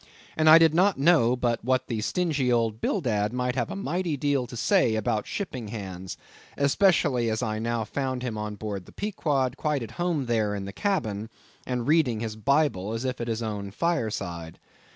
And I did not know but what the stingy old Bildad might have a mighty deal to say about shipping hands, especially as I now found him on board the Pequod, quite at home there in the cabin, and reading his Bible as if at his own fireside.